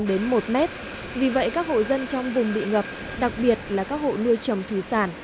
đến một mét vì vậy các hộ dân trong vùng bị ngập đặc biệt là các hộ nuôi trồng thủy sản